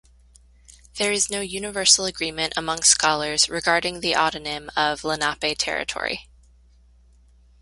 There is no universal agreement among scholars regarding the autonym of Lenape territory.